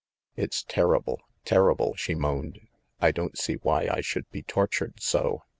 "It's terrible, terrible!" she moaned. "I don't see why I should be tortured so.